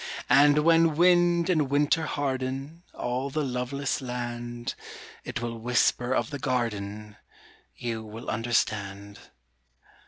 And when wind and winter harden All the loveless land, It will whisper of the garden, You will understand.